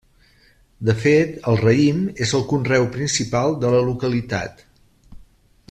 De fet, el raïm és el conreu principal de la localitat.